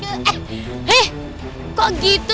eh kok gitu